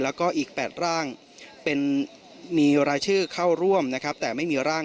แล้วก็อีก๘ร่างมีรายชื่อเข้าร่วมแต่ไม่มีร่าง